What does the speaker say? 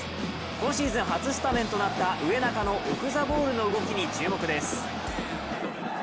今シーズン初スタメンとなった植中のオフザボールの動きに注目です。